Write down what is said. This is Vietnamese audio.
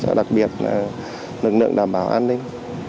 và đặc biệt là lực lượng đảm bảo an ninh